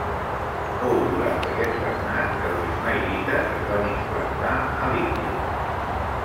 Fou durant aquest regnat que els ismaïlites es van implantar a l'Índia.